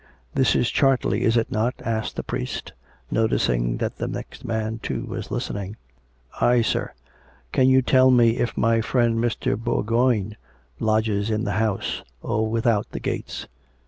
" This is Chartley, is it not ?" asked the priest, noticing that the next man, too, was listening. " Aye, sir." " Can you tell me if my friend Mr. Bourgoign lodges in the house, or without the gates?